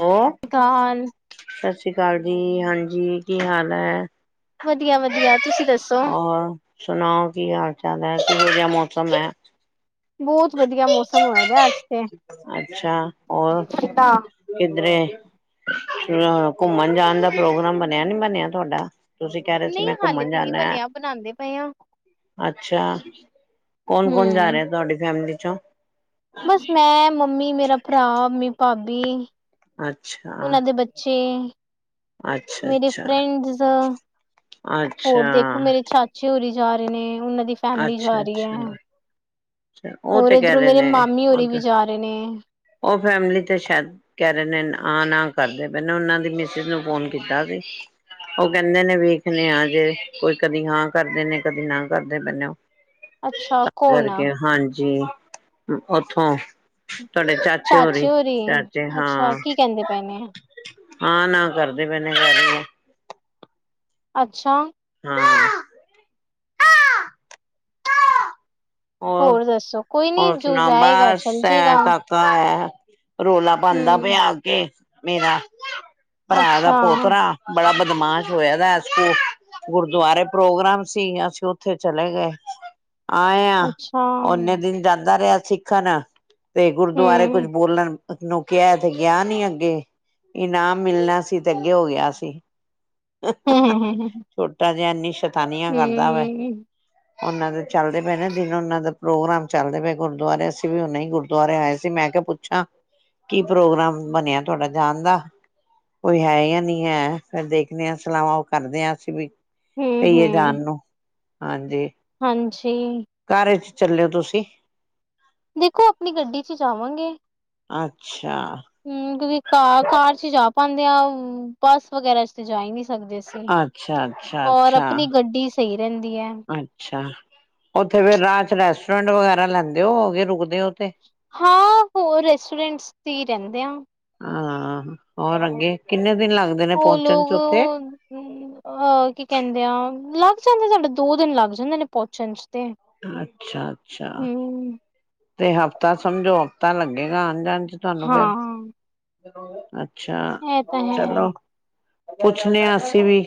ਲੋ, ਕਾਲ ਸਤਿ ਸ਼੍ਰੀ ਅਕਾਲ ਜੀ, ਹਾਂਜੀ ਕੀ ਹਾਲ ਐ। ਵਧੀਆ-ਵਧੀਆ, ਤੁਸੀਂ ਦੱਸ ਔਰ ਸੁਣਾਓ ਕੀ ਹਾਲ ਚਾਲ ਐ, ਕਿਹੋ ਜੇਯਾ ਮੌਸਮ ਐ? ਬੋਤ ਵਧੀਆ ਮੌਸਮ ਹੋਆ ਦੈ, ਅੱਜ ਤੇ ਅੱਛਾ, ਔਰ ਕਿੱਧਰੇ ਘੁੰਮਣ ਜਾਣ ਦਾ ਪ੍ਰੋਗਰਾਮ ਬਣਿਆ ਨੀ ਬਣਿਆ ਤੋਡਾ ਤੁਸੀਂ ਕੈ ਰੇਸੀ ਨਹੀਂ ਮੈਂ ਹਾਲੇ ਘੁੰਮਣ ਤੇ ਨੀ ਜਾਣਾ ਬਣਿਆ ਬਣਾਉਂਦੇ ਪਏ ਆ ਅੱਛਾ, ਕੌਣ-ਕੌਣ ਜਾ ਹਮ ਰੇਯਾ ਤੁਆਡੀ ਫੈਮਲੀ ਚੌ ਬਸ, ਮੈਂ, ਮੰਮੀ, ਮੇਰਾ ਭਰਾ ਤੇ ਭਾਬੀ। ਅੱਛਾ। ਓਨਾਂ ਦੇ ਬੱਚੇ। ਅੱਛਾ, ਮੇਰੇ ਅੱਛਾ, ਫਰੈਂਡਸ ਹੋਰ ਦੇਖੋ, ਅੱਛਾ। ਮੇਰੇ ਚਾਚੇ ਹੋਰੀ ਜਾ ਰੇਨੇ, ਓਨਾਂ ਦੀ ਫੈਮਿਲੀ ਅੱਛਾ, ਜਾ ਰੀਐ। ਅੱਛਾ, ਉਹ ਹੋਰ ਤੇ ਕਹਿ ਇੱਧਰੋਂ ਰਹੇ ਮੇਰੇ ਮਾਮੀ ਹੋਰੀ ਵੀ ਜਾ ਰੇਨੇ। ਓ ਫੈਮਿਲੀ ਤੇ ਸ਼ੈਦ ਕੈ ਰੇਨੇ ਆ-ਨਾ ਕਰਦੇ ਪਏ ਨੇ, ਓਨਾਂ ਦੀ ਮਿਸਿਜ ਨੂੰ ਫੋਨ ਕੀਤਾ ਸੀ। ਓ ਕੈਂਦੇ ਨੇ ਵੇਖਣੇ ਆ ਜੇ ਕੋਈ ਕਦੀ ਹਾਂ ਕਰਦੇ ਨੇ ਕਦੀ ਨਾ ਕਰਦੇ ਪਏ ਨੇ ਓ। ਅੱਛਾ, ਕੌਣ ਆ ਹਾਂਜੀ, ਓਥੋਂ ਤੁਆਡੇ ਚਾਚੇ ਹੋਰੀ ਚਾਚੇ, ਅੱਛਾ ਹਾਂ। ਕੀ ਕਹਿੰਦੇ ਪਏ ਨੇ ਆ-ਨਾ ਕਰਦੇ ਪਏ ਨੇ। ਅੱਛਾ। ਹਾਂ। ਔਰ, ਹੋਰ ਦੱਸੋ ਕੋਈ ਨੀ ਔਰ ਜੋ ਸੁਣਾਓ, ਜਾਏਗਾ ਚੱਲ ਜੇਗਾ ਬਸ ਰੌਲਾ ਪਾਂਦਾ ਹੂੰ, ਪਿਆ ਆਕੇ, ਮੇਰਾ ਪਰਾ ਦਾ ਅੱਛਾ-ਅੱਛਾ, ਪੋਤਰਾ, ਬੜਾ ਬਦਮਾਸ਼ ਹੋਯਾ ਦਾ ਗੁਰਦੁਆਰੇ ਪ੍ਰੋਗਰਾਮ ਸੀ, ਅਸੀਂ ਓਥੇ ਚਲੇ ਗਏ, ਆਏ ਆਂ ਓਨੇ ਦਿਨ ਜਾਂਦਾ ਰਿਹਾ ਸਿੱਖਣ, ਤੇ ਗੁਰਦੁਆਰੇ ਕੁਛ ਹੂੰ, ਬੋਲਣ ਨੂੰ ਕੇਯਾ ਤੇ ਗਿਆ ਨੀ ਅੱਗੇ, ਇਨਾਮ ਮਿਲਣਾ ਸੀ ਤੇ ਅੱਗੇ ਹੋ ਗਿਆ ਸੀ। [unintelligible] ਛੋਟਾ ਜੇਯਾ ਏਨੀ ਸ਼ੈਤਾਨੀਆ ਕਰਦਾ ਵਾ, ਓਨਾਂ ਦੇ ਚੱਲਦੇ ਪਏ ਨਾ ਦਿਨ ਓਨਾਂ ਦਾ ਪ੍ਰੋਗਰਾਮ ਚੱਲਦੇ ਪਏ ਗੁਰਦੁਆਰੇ, ਅਸੀਂ ਵੀ ਹੁਣੇ ਈ ਗੁਰਦੁਆਰੇ ਆਏ ਸੀ, ਮੈਂ ਕੇਯਾ ਪੁੱਛਾਂ ਕੀ ਪ੍ਰੋਗਰਾਮ ਬਨੇਆ ਤੁਆਡਾ ਜਾਨ ਦਾ। ਕੋਈ ਹੈ ਯਾ ਨਈ ਹੈ? ਫੇਰ ਦੇਖਨੇ ਆਂ ਸਲਾਵਾਂ ਉਹ ਕਰਦੇ ਆਂ ਅਸੀਂ ਵੀ। ਕਈਏ ਹੂੰ-ਹੂੰ, ਜਾਣ ਨੂੰ, ਹਾਂਜੀ। ਹਾਂਜੀ। ਕਾਰੇ ਚ ਚਲੇ ਓ ਤੁਸੀਂ? ਦੇਖੋ ਆਪਣੀ ਗੱਡੀ ਇੱਚ ਈ ਜਾਵਾਂਗੇ। ਅੱਛਾ। ਹਮ ਕਿਉਂਕਿ ਕਾ ਕਾਰ ਇੱਚ ਈ ਜਾ ਪਾਂਦੇ ਆ, ਬਾਸ ਵਗੈਰਾ ਇੱਚ ਤੇ ਜਾ ਈ ਨਹੀਂ ਸਕਦੇ। ਸੇ ਅੱਛਾ ਅੱਛਾ ਹੋਰ ਅੱਛਾ ਅਪਣੀ ਗੱਡੀ ਸਈ ਰੈਂਦੀ ਏ। ਅੱਛਾ, ਓਥੇ ਫੇਰ ਰਾਹ ਚ ਰੈਸਟੋਰੈਂਟ ਵਗੈਰਾ ਲੈਂਦੇ ਹੋਵੋ ਗਏ, ਰੁਕਦੇ ਔ ਤੇ? ਹਾਂ ਹੋਰ ਰੈਸਟੋਰੈਂਟਸ ਤੇ ਈ ਰੈਂਦੇ ਆਂ। ਹਾਂ ਔਰ ਅੱਗੇ ਕਿੰਨੇ ਦਿਨ ਲੱਗਦੇ ਨੇ ਪੋਨਚਨ ਚ ਓਥੇ? ਹਮ ਅਹ ਕੀ ਕੇਂਦੇ ਆ ਲਾਗ ਜਾਂਦੇ ਸਾਡੇ ਦੋ ਦਿਨ ਲਾਗ ਜਾਂਦੇ ਨੇ ਪੋਂਚਨ ਚ ਤੇ। ਅੱਛਾ-ਅੱਛਾ ਹੂੰ, ਤੇ ਹਫ਼ਤਾ ਸਮਝੋ ਹਫ਼ਤਾ ਲੱਗੇਗਾ ਆਨ ਜਾਨ ਚ? ਤੁਹਾਨੂੰ ਫੇਰ ਹਾਂ। ਅੱਛਾ ਐ ਤਾਂ ਹੈ। ਚਲੋ ਪੁੱਛਨੇ ਆਂ ਅਸੀਂ ਵੀ।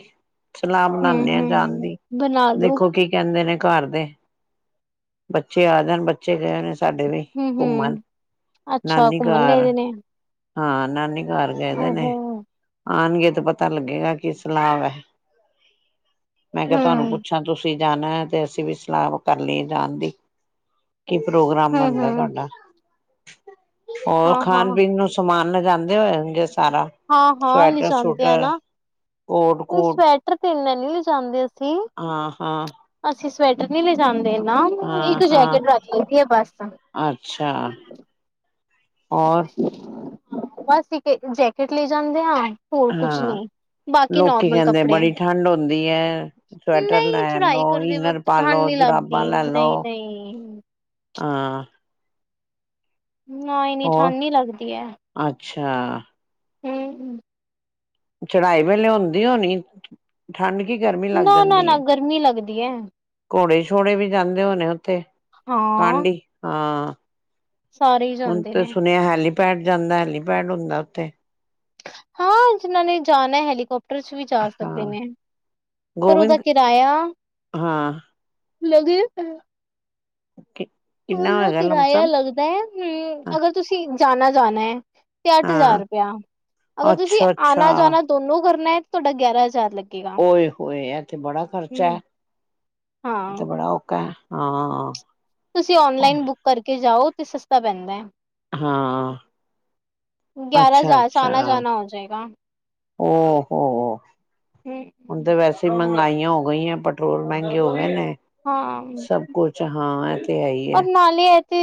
ਸਲਾਹ ਬਨਾਨੇ ਆਂ ਜਾਣ ਹੂੰ-ਹੂੰ, ਦੀ, ਬਣਾ ਲੋ ਦੇਖੋ ਕੀ ਕੈਂਦੇ ਨੇ ਕਾਰ ਦੇ, ਬੱਚੇ ਆ ਜਾਨ ਬੱਚੇ ਗਏ ਹੋਏ ਨੇ ਸਾਡੇ ਵੀ ਘੁੰਮਣ ਹੂੰ-ਹੂੰ, ਅੱਛਾ ਨਾਨੀ ਘੁੰਮਣ ਗਏ ਕਾਰ। ਦੇ ਨੇ। ਹਾਂ ਨਾਨੀ ਕਾਰ ਗਏ ਦੇ ਓਹੋ ਨੇ, ਆਣਗੇ ਤੇ ਪਤਾ ਲੱਗੇਗਾ ਕੀ ਸਲਾਹ ਵੈ? ਮੈਂ ਕੇਆ ਤੁਆਨੂੰ ਹੂੰ, ਪੁੱਛਾਂ ਤੁਸੀਂ ਜਾਣਾ ਏ ਤੇ ਅਸੀਂ ਵੀ ਸਲਾਹ ਕਰ ਲਈਏ ਜਾਨ ਦੀ। ਕੀ ਪ੍ਰੋਗਰਾਮ ਬਨਦਾ ਏ ਹੂੰ-ਹੂੰ, ਤੁਆਡਾ? ਹੋਰ ਖਾਣ ਹਾਂ-ਹਾਂ, ਪੀਣ ਨੂੰ ਸਮਾਨ ਲਿਜਾਂਦੇ ਹੋਏਂਗੇ ਸਾਰਾ? ਹਾਂ-ਹਾਂ ਸਵੈਟਰ ਲਿਜਾਂਦੇ ਆ ਨਾ। ਸੂਟਰ ਕੋਟ ਨੀ ਕੂਟ ਸਵੈਟਰ ਤੇ ਇੰਨੇ ਨੀ ਲੇਜਾਂਦੇ ਅਸੀਂ। ਹਾਂ ਹਾਂ ਅਸੀਂ ਸਵੈਟਰ ਨੀ ਲਿਜਾਂਦੇ ਨਾ, ਹਾਂ ਇੱਕ ਹਾਂ ਜੈਕੇਟ ਰੱਖ ਲਈ ਦੀ ਏ ਬਾਸ। ਅੱਛਾ। ਔਰ? ਬਸ ਇੱਕੇ ਜੈਕਟ ਲੈ ਜਾਂਦੇ ਆਂ, ਹੋਰ ਕੁਛ ਹਾਂ ਨਈ। ਲੋਕੀ ਕੈਂਦੇ ਬੜੀ ਠਾਂਢ ਹੁੰਦੀ ਐ, ਸਵੈਟਰ ਨਹੀਂ ਲੈਣ ਚੜਾਈ ਨੂੰ ਕਰਦੇ ਇਨਰ ਵਕਤ ਠੰਢ ਪਾਲੋ, ਨੀ ਜੁਰਾਬਾਂ ਲੈ ਲੱਗਦੀ ਲੋ, ਨਹੀਂ-ਨਹੀਂ। ਹਾਂ। ਨਾ ਇੰਨੀ ਹੋਰ ਠਾਂਡ ਨੀ ਲੱਗਦੀ ਐ। ਅੱਛਾ। ਹਮ ਅਮ। ਚੜਾਈ ਵੇਲੇ ਹੁੰਦੀ ਹੋਣੀ ਠਾਂਡ, ਕੀ ਗਰਮੀ ਲੱਗ ਜਾਂਦੀ ਨਾ-ਨਾ-ਨਾ ਏ? ਗਰਮੀ ਲੱਗਦੀ ਹੈ। ਕੋੜੇ ਸ਼ੋੜੇ ਵੀ ਜਾਂਦੇ ਹੋਣੇ ਓਥੇ ਹਾਂ ਕਾਂਢੀ? ਹਾਂ। ਸਾਰੇ ਹੀ ਹੁਣ ਜਾਂਦੇ ਨੇ ਤੇ ਸੁਣੇਆ ਏ ਹੈਲੀਪੈਡ ਜਾਂਦਾ ਏ, ਹੈਲੀਪੈਡ ਹੁੰਦਾ ਉਥੇ? ਹਾਂ ਜਿਨਾਂ ਨੇ ਜਾਨਾ ਏ ਹੈਲੀਕੋਪਟਰ ਵਿੱਚ ਵੀ ਜਾ ਸਕਦੇ ਹਾਂ ਨੇ। ਪਰ ਓਦਾਂ ਗੋਬਿੰਦ ਕਿਰਾਏਆ ਹਾਂ [unintelligible] ਕਿੰਨਾ ਓਹਦਾ ਹੋਏਗਾ ਕਿਰਾਏਆ ਲਮਸਮ ਲੱਗਦਾ ਏ ਹਮ ਅਗਰ ਤੁਸੀਂ ਜਾਣਾ-ਜਾਣਾ ਏ। ਤੇ ਆਠ ਹਜ਼ਾਰ ਹਾਂ ਰੁਪਏਆ, ਅਗਰ ਤੁਸੀਂ ਅੱਛਾ ਅੱਛਾ ਆਨਾ ਜਾਨਾ ਦੋਨੋ ਕਰਨਾ ਏ ਤੁਆਡਾ ਗੇਆਰਾਂ ਹਜ਼ਾਰ ਲੱਗ ਔਏ ਹੋਏ ਐ ਤੇ ਬੜਾ ਖ਼ਰਚਾ ਐ, ਏਹ ਤੇ ਹਾਂ ਬੜਾ ਔਕਾ ਏ ਹਾਂ। ਤੁਸੀਂ ਔਨਲਾਈਨ ਬੁੱਕ ਕਰਕੇ ਜਾਓ ਤੇ ਸਸਤਾ ਪੈਂਦਾ ਏ। ਹਾਂ। ਗੇਆਰਾਂ ਅੱਛਾ ਹਜ਼ਾਰ ਚ ਆਨਾ ਜਾਨਾ ਹੋ ਜਾਏਗਾ। ਔ ਹੋੋ ਹਮ ਹੁਣ ਤੇ ਵੈਸ [unintelligible] ਮਹਿੰਗਾਈਆਂ ਹੋ ਗਈਆਂ ਪੈਟਰੋਲ ਮਹਿੰਗੇ ਹੋ ਗਏ ਨੇ ਸਭ ਕੁਛ ਹਾਂ ਤੇ ਹੈ ਹੀ ਹੈ ਪਰ ਨਾਲੇ ਅਸੀ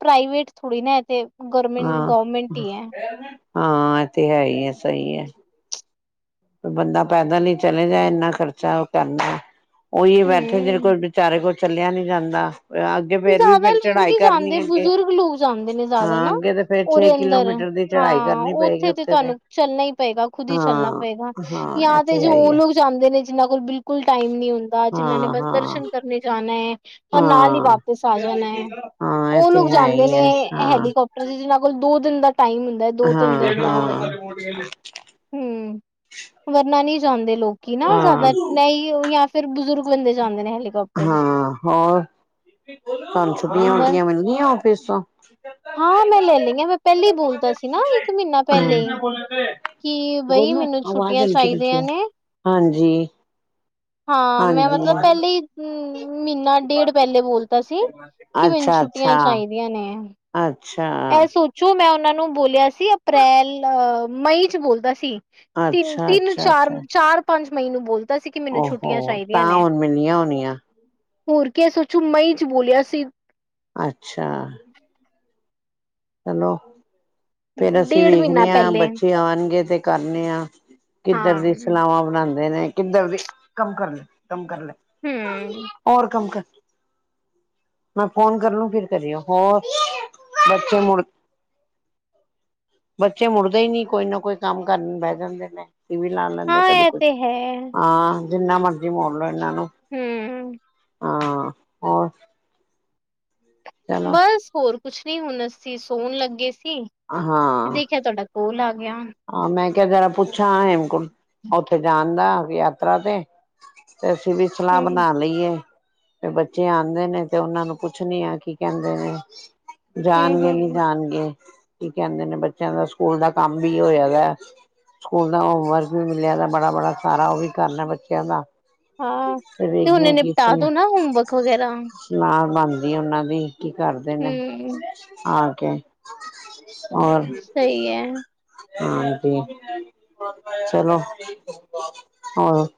ਪ੍ਰਾਈਵੇਟ ਥੋੜ੍ਹੀ ਨਾ ਹੈ ਤੇ ਗਮਟ ਹਾਂ ਗਵਰਮੈਂਟ ਈ ਆਂ ਹਾਂ ਐ ਤੇ ਹੈ ਈ ਐ ਸਈ ਐ ਬੰਦਾ ਪੈਦਲ ਹੀ ਚਲੇ ਜਾਏ ਇੰਨਾ ਖਰਚਾ ਉਹ ਕਰਨਾ ਉਹੀ ਬੈਠੇ ਜਿਹੜੇ ਹੂੰ, ਕੋਲ ਵਿਚਾਰੇ ਕੋਲ ਚੱਲਿਆ ਨੀ ਜਾਂਦਾ ਫੇਰ ਵੀ ਜ਼ਿਆਦਾ ਫੇਰ ਲੋਕ ਚੜ੍ਹਾਈ ਨਹੀਂ ਜਾਂਦੇ ਕਰਨੀ ਅੱਗੇ ਬਜ਼ੁਰਗ ਲੋਕ ਜਾਂਦੇ ਨੇ ਜ਼ਿਆਦਾ ਹਾਂ ਨਾ ਅੱਗੇ ਤੇ ਫੇਰ ਛੇ ਉਹਦੇ ਅੰਦਰ ਕਿਲੋਮੀਟਰ ਦੀ ਚੜ੍ਹਾਈ ਹਾਂ ਕਰਨੀ ਪਏਗੀ ਉੱਥੇ ਤੇ ਤੁਹਾਨੂੰ ਚੱਲਣਾ ਹੀ ਪਏਗਾ ਖੁਦ ਈ ਚੱਲਣਾ ਹਾਂ ਪਏਗਾ ਹਾਂ ਇਹ ਜਾਂ ਤੇ ਜੋ ਹੈ ਹੀ ਉਹ ਹੈ ਲੋਕ ਜਾਂਦੇ ਨੇ ਜਿਨਾਂ ਕੋਲ ਬਿਲਕੁਲ ਟਾਈਮ ਨੀ ਹੁੰ [unintelligible] ਜਿਨਾਂ ਨੇ ਹਾਂ ਬਸ ਹਾਂ ਦਰਸ਼ਨ ਕਰਨ ਜਾਣਾ ਹੈ ਔਰ ਨਾਲ ਹੀ ਹਾਂ ਵਾਪਸ ਜਾਣਾ ਹੈ ਹਾਂ ਇਹ ਉਹ ਲੋਕ ਤੇ ਹੈ ਜਾਂਦੇ ਹੀ ਨੇ ਹੈ ਹਾਂ ਹੈਲੀਕਾਪਟਰ ਚ ਜਿਹਨਾਂ ਕੋਲ ਦੋ ਦਿਨ ਦਾ ਟਾਈਮ ਹੁੰਦਾ ਦੋ ਹਾਂ ਤਿੰਨ ਦਿਨ ਦਾ। ਹਾਂ ਹੂੰ ਵਰਨਾ ਨਹੀ ਜਾਂਦੇ ਲੋਕੀ ਨਾ ਹਾਂ ਜ਼ਿਆਦਾ ਨਹੀਂ ਕੀ ਜਾਂ ਫਿਰ ਬਜ਼ੁਰਗ ਬੰਦੇ ਜਾਂਦੇ ਨੇ ਹੈਲੀਕਾੋਪਟ ਹਾਂ ਹੋਰ ਤੁਹਾਨੂੰ ਛੁੱਟੀਆਂ ਬਸ ਛੁੱਟੀਆਂ ਮਿਲਣੀਆਂ ਆਫਿਸ ਤੋਂ ਹਾਂ ਮੈਂ ਲੈ ਲਈਆਂ ਹ ਮੈਂ ਪਹਿਲੇ ਹੀ ਬੋਲਤਾ ਸੀ ਨਾ ਇੱਕ ਮਹੀਨਾ ਪਹਿਲੇ ਹੀ ਕੀ ਬਈ ਮੈਨੂੰ ਛੁੱਟੀਆਂ ਚਾਹੀਦੀਆਂ ਨੇ ਹਾਂਜੀ ਹਾਂ ਮੈਂ ਹਾਂਜੀ, ਮਤਲਬ ਪਹਿਲੇ ਈ ਹਹੂੰ ਮਹੀਨਾ ਡੇਢ ਪਹਿਲੇ ਬੋਲਤਾ ਸੀ ਕਿ ਮੈਨੂੰ ਅੱਛਾ, ਛੁੱਟੀਆਂ ਅੱਛਾ, ਚਾਹੀਦੀਆਂ ਨੇ ਅੱਛਾ ਜੋ ਮੈਂ ਉਹਨਾਂ ਨੂੰ ਬੋਲਿਆ ਸੀ ਅਪ੍ਰੈਲ ਮਈ ਚ ਬੋਲਤਾ ਸੀ ਤਿੰਨ ਅੱਛਾ, ਤਿੰਨ ਅੱਛਾ, ਚਾਰ ਚਾਰ ਪੰਜ ਮਈ ਨੂੰ ਬੋਲਤਾ ਸੀ ਕਿ ਮੈਨੂੰ ਛੁੱਟੀਆਂ ਹੋ ਚਾਹੀਦੀਆਂ ਤਾਂ ਨੇ ਹੁਣ ਮਿਲੀਆਂ ਹੋਣੀਆਂ ਹੋਰ ਕੇ ਸੋਚੋ ਮਈ ਚ ਬੋਲਿਆ ਸੀ ਅੱਛਾ ਚਲੋ ਫੇਰ ਅਸੀ ਡੇਢ ਮਹੀਨਾ ਵੇਖਦੇ ਹਾਂ ਪਹਿਲੇ ਬੱਚੇ ਆਉਣਗੇ ਤੇ- ਕਰਨੇ ਆ ਕਿਧਰ ਹਾਂ ਦੀ ਸਲਾਵਾਂ ਬਣਾਉਦੇ ਨੇ ਕਿਧਰ ਦੇ ਕਮ ਕਰਨ- ਕੰਮ ਕਰ ਲੈ ਹਮ ਓਰ [unintelligible] ਕੰਮ ਕਰ ਮੈ ਫੋਨ ਕਰ ਲੂੰ ਫਿਰ ਕਰਓ ਹੋਰ- [unintelligible] ਮੁੜ- ਬੱਚੇ ਮੁੜਦੇ ਹੀ ਨਹੀ ਕੋਈ ਨਾ ਕੋਈ ਕਮ ਕਰਨ ਬਹਿ ਜਾਦੇ ਨੇ- ਵੀ ਲਾ ਲੈਦੇ ਹਾਂ ਕਦੇ ਇਹ ਤੇ ਕੁਛ ਹੈ ਹਾਂ ਜਿਨਾ ਮਰਜ- [unintelligible] ਇਹਨਾ ਨੂੰ ਹਮ ਹਾਂ ਹੋਰ- ਚਲੋ ਬਸ ਹੋਰ ਕੁਛ ਨੀ ਹੁਣ ਅਸੀ ਸੋਣ ਲਗੇ ਸੀ ਹਾਂ ਦੇਖਿਆ ਤੁਹਾਡਾ- ਉਹ ਲਗ ਗਿਆ- ਹਾਂ ਮੈ ਕਿਹਾ ਜਰਾ ਪੁੱਛਾ ਹੇਮਕੁੰਟ ਸਾਹਿਬ ਉਥੇ ਜਾਣ ਦਾ ਯਾਤਰਾ ਤੇ- ਤੇ ਅਸੀ ਵੀ ਸਲਾਹ ਹੂੰ, ਬਣਾ ਲਈਏ- ਵੀ ਬੱਚੇ ਆਉਦੇ ਨੇ ਤੇ ਉਹਨਾ ਨੂੰ ਪੁੱਛਦੀ ਆ ਕੀ ਕਹਿਦੇ ਨੇ- ਹੂੰ, ਜਾਣਗੇ ਨੀ ਹੂੰ ਜਾਣਗੇ ਕੀ ਕਹਿਦੇ ਨੇ ਬੱਚਿਆਂ ਦਾ ਸਕੂਲ ਦਾ ਕਮ ਵੀ ਹੋਇਆ ਵ- ਸਕੂਲ ਦਾ ਹੋਮਵਰਕ ਵੀ ਮਿਲਿਆ ਬੜਾ- ਬੜਾ ਸਾਰਾ ਉਹ ਵੀ ਕਰਨਾ ਬੱਚਿਆਂ ਦਾ- ਹਾਂ ਤੇ ਹੁਨੇ ਨਿਪਟਾ ਦੋ ਨਾ ਹੋਮਵਰਕ ਵਗੈਰਾ- [unintelligible] ਉਹਨਾ ਦੀ ਕੀ ਕਰਦੇ ਨੇ ਹੂੰ। ਆ ਕੇ- ਹੋਰ- ਸਈ ਐ! ਹਾਂਜੀ ਚਲੋ ਹੋਰ-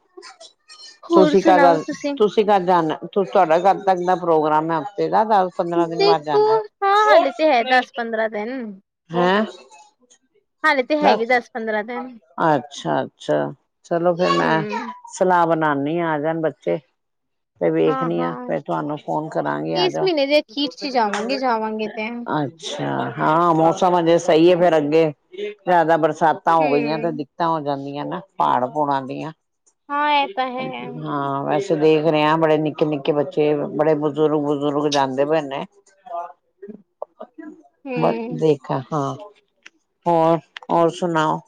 ਹੋਰ ਤੁਸੀ ਕਦ ਸੁਣਾਓ ਤੁਸੀਂ? ਤੁਸੀ ਕਦ ਜਾਣਾ ਤੁਹਾਡਾ ਕਦ ਤੱਕ ਦਾ ਪ੍ਰੋਗਰਾਮ ਹੈ! ਹਫ਼ਤੇ ਦਾ ਦੱਸ- ਪੰਦਰਾਂ ਦਿਨ ਬਾਦ ਦੇਖੋ ਜਾਣਾ ਹਾਂ ਹਾਲੇ ਤੇ ਹੈ ਦਸ ਪੰਦਰਾਂ ਦਿਨ ਹੈਂ ਹਾਲੇ ਤੇ ਹੈਗੇ ਦਸ ਪੰਦਰਾਂ ਦਿਨ ਅੱਛਾ ਅੱਛਾ ਚਲੋ ਫੇਰ ਮੈਂ ਹੂੰ। ਸਲਾਹ ਬਣਾਉਨੀ ਆ ਆ ਜਾਣ ਬੱਚੇ ਫੇਰ ਹਾਂ, ਵੇਖਣੀ ਆ ਹਾਂ। ਫੇਰ ਤੁਹਾਨੂੰ ਫੋਨ ਕਰਾਂਗੇ ਆ ਇਸ ਜਾਓ ਮਹੀਨੇ ਦੇ ਅਖੀਰ ਚ ਜਾਵਾਂਗੇ, ਜਾਵਾਂਗੇ ਤੇ। ਅੱਛ ਅੱਛਾ ਹਾਂ ਮੌਸਮ ਅਜੇ ਸਹੀ ਹੈ ਫੇਰ ਅੱਗੇ ਜਿਆਦਾ ਬਰਸਾਤਾਂ ਹੋ ਗਈਆਂ ਹੂੰ, ਤੇ ਤਾਂ ਹੋ ਜਾਦੀਆਂ ਨਾ ਪਹਾੜ ਪੂੜਾਂ ਦੀਆਂ ਹਾਂ ਇਹ ਤਾਂ ਹੈ। ਹਾਂ ਵੈਸੇ ਵੇਖ ਰਹੇ ਆ ਬੜੇ ਨਿੱਕੇ- ਨਿੱਕੇ ਬੱਚੇ ਬੜੇ ਬਜ਼ੁਰਗ- ਬਜ਼ੁਰਗ ਜਾਦੇ ਪਏ ਨੇ ਬਸ ਹੂੰ, ਦੇਖਾ ਹਾਂ! ਹੋਰ -ਹੋਰ ਸੁਣਾਓ!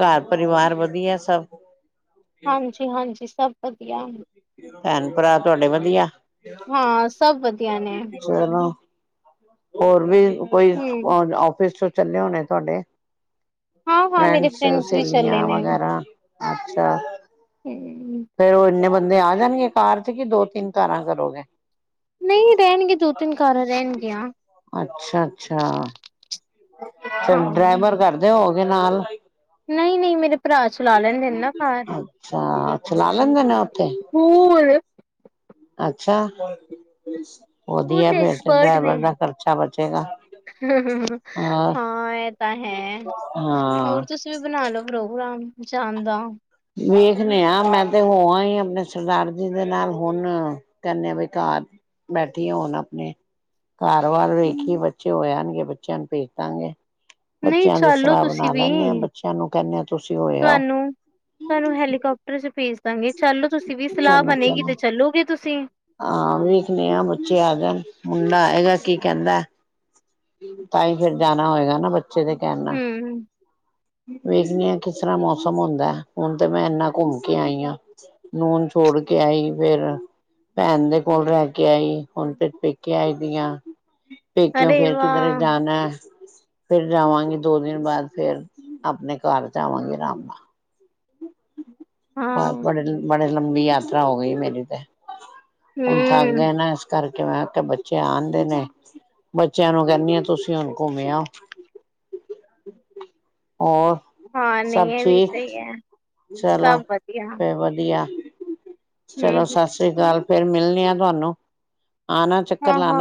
ਘਰ ਪਰਿਵਾਰ ਵਧੀਆ ਸਭ ਹਾਂਜੀ- ਹਾਂਜੀ ਸਭ ਵਧੀਆ ਭੈਣ ਭਰਾ ਤੁਹਾਡੇ ਵਧੀਆ ਹਾਂ ਸਭ ਵਧੀਆ ਨੇ ਚਲ ਹੋਰ ਵੀ ਕੋਈ ਹੂੰ, ਆਫਿਸ ਚੋਂ ਚੱਲੇ ਹੋਣੇ ਤੁਹਾਡੇ ਹਾਂ- ਹਾਂ ਮੇਰੇ ਫਰੈਂਡਸ ਵੀ ਚੱਲੇ ਸਹੇਲੀਆਂ ਨੇ। ਵਗੈਰਾ ਅੱਛਾ ਹੂੰ, ਫੇਰ ਉਹ ਇਨੇ ਬ ਬੰਦੇ ਆ ਜਾਣਗੇ ਕਾਰ ਤੇ ਕਿ ਦੋ ਤਿੰਨ ਕਾਰਾਂ ਕਰੋਗੇ ਨਈ ਰੈਣਗੇ ਦੋ-ਤਿੰਨ ਕਾਰਾਂ ਰੈਣਗੀਆਂ, ਅੱਛਾ -ਅੱਛਾ ਚ ਹਾਂ। ਡਰਾਈਵਰ ਕਰਦੇ ਹੋਵੋਗੇ ਨਾਲ ਨਹੀ ਨਹੀ ਮੇਰੇ ਭਰਾ ਚਲਾ ਲੈਂਦੇ ਨੇ ਨਾ ਕਾਰ ਅੱਛਾ ਚਲਾ ਲੈਂਦੇ ਨੇ ਉਥੇ ਹੂ ਏ ਅੱਛਾ ਓ ਵਧੀਆ ਫੇਰ ਤੇ ਐਕਸਪਰਟ ਡਰਾਈਵਰ ਨੇ। ਦਾ ਖਰਚਾ ਬਚੇਗਾ ਹੋਰ ਹਾਂ ਇਹ ਤਾਂ ਹੈ ਹਾਂ ਹੋਰ ਤੁ ਵੀ ਬਣਾ ਲੋ ਪ੍ਰੋਗਰਾਮ ਜਾਣ ਦਾ ਵੇਖਦੇ ਆ ਮੈ ਤੇ ਹੋ ਆਈ ਆ ਆਪਣੇ ਸਰਦਾਰ ਜੀ ਦੇ ਨਾਲ ਹੁਣ ਕਹਿਦੇ ਵੀ ਘਰ ਬੈਠੀ ਹੁਣ ਆਪਣੇ ਘਰ ਬਾਰ ਵੇਖੀਏ ਬੱਚੇ ਹੋ ਜਾਣਗੇ ਬੱਚਿਆਂ ਨੂੰ ਭੇਜ ਦਾਗੇ- ਨਈ ਬੱਚਿਆਂ ਦੀ ਚੱਲੋ ਸਲਾਹ ਤੁਸੀਂ ਬਣਾ ਵੀ, ਲੈਨੇ ਆ ਬੱਚਿਆਂ ਨੂੰ ਕਹਿਦੇ ਆ ਤੁਸੀ ਹੋਏ ਆਓ- ਤੁਹਾਨੂੰ ਤੁਹਾਨੂੰ ਹੈਲੀਕਾਪਟਰ 'ਚ ਭੇਜ ਦਾਗੇ ਚਲੋ ਤੁਸੀ ਵੀ ਸਲਾਹ ਚਲੋ ਬਣੇਗੀ ਤੇ ਚਲੋ ਚੱਲੋਗੇ ਤੁਸੀ- ਹਾਂ ਵੇਖਨੀ ਆ ਬੱਚੇ ਆ ਜਾਣ ਮੁੰਡਾ ਆਏਗਾ ਕੀ ਕਹਿਦਾ- ਤਾਂ ਹੀ ਫਿਰ ਜਾਣਾ ਹੋਏਗਾ ਨਾ ਬੱਚੇ ਦੇ ਕਹਿਣ ਨਾਲ- ਹੂੰ, ਵੇਖਨੇ ਆ ਕਿਸ ਤਰ੍ਹਾਂ ਮੋਸਮ ਹੁੰਦਾ ਹੁਣ ਤੇ ਮੈ ਇਨਾ ਘੁੰਮ ਕੇ ਆਈ ਹਾਂ- ਨੂਨ ਛੋੜ ਕੇ ਆਈ ਫੇਰ- ਭੈਣ ਦੇ ਕੋਲ ਰਹਿ ਕੇ ਆਈ ਹੁਣ ਫਿਰ ਪੇਕੇ ਆਈ ਦੀ ਆਂ- ਪੇਕਿਓ ਅਰੇ ਫੇਰ ਕਿਧਰੇ ਵਾਹ! ਜਾਣਾ- ਫਿਰ ਜਾਵਾਗੀ ਦੋ ਦਿਨ ਬਾਅਦ ਫੇਰ ਆਪਣੇ ਘਰ ਜਾ ਆਵਾਗੇ ਰਾਮ ਨਾਲ- ਬ ਹਾਂ, ਬੜੇ ਬੜੇ ਲੰਬੀ ਯਾਤਰਾ ਹੋ ਗਈ ਮੇਰੀ ਤੇ- ਹੁਣ ਥੱਕ ਹੂੰ। ਗਏ ਨਾ ਇਸ ਕਰਕੇ- ਕਿਵੇੈ ਬੱਚੇ ਆਦੇ ਨੇ ਬੱਚਿਆਂ ਨੂੰ ਕਹਿਦੀ ਆ ਤੁਸੀ ਹੁਣ ਘੁੰਮ ਆਓ- [inaudible] ਹੋਰ- ਹਾਂ, ਨਈਂ, ਸਭ ਏ ਵੀ ਠੀਕ ਸਈ ਏ। ਚਲੋ ਫੇ ਵਧੀਆ ਹਮ-ਹਮ। ਚਲੋ, ਸ ਸ੍ਰੀ ਕਾਲ, ਫੇਰ ਮਿਲਦੇ ਆ ਤੁਆਨੂੰ, ਆਨਾ- ਹਾਂ-ਹਾਂ,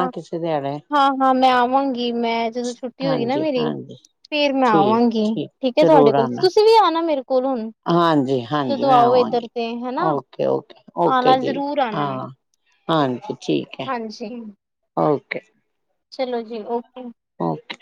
ਹਾਂ-ਹਾਂ ਮੈ ਆਵਾਂਗੀ ਮੈ ਜਦੋ ਛੁਟੀ ਹੋਏਗੀ ਨਾ ਹਾਂਜੀ ਮੇਰੀ ਹਾਂਜੀ ਫੇਰ ਮੈ ਆਵਾਂਗੀ ਠੀਕ ਐ ਤੁਆਡੇ ਕੋਲ। ਤੁਸੀ ਵੀ ਆਨਾ, ਮੇਰੇ ਕੋਲ ਹੁਨ। ਹਾਂਜੀ-ਹਾਂਜੀ, ਮੈ ਆਵਾਂਗੀ ਹਨਾ ਓਕੇ-ਓਕੇ, ਓਕੇ ਆਣਾ ਜੀ ਜ਼ਰੂਰ ਆਣਾ ਹਾਂ। ਹਾਂਜੀ। ਹੈ [unintelligible] ਓਕੇ। ਚਲੋ ਜੀ, ਓਕੇ। ਓਕੇ।